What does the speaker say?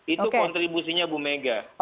itu kontribusinya ibu mega